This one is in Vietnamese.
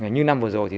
như năm vừa rồi